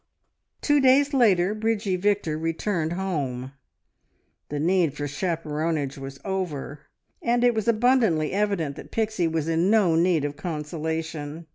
Two days later Bridgie Victor returned home. The need for chaperonage was over, and it was abundantly evident that Pixie was in no need of consolation.